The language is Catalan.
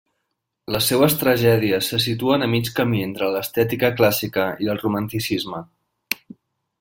Les seues tragèdies se situen a mig camí entre l'estètica clàssica i el romanticisme.